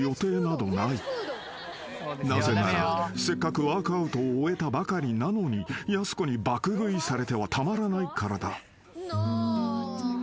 ［なぜならせっかくワークアウトを終えたばかりなのにやす子に爆食いされてはたまらないからだ］